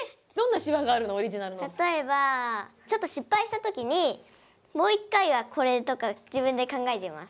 例えばちょっと失敗した時にもう一回はこれとか自分で考えてます。